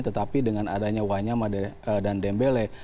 tetapi dengan adanya wanyama dan dembele